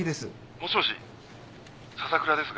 ☎もしもし笹倉ですが。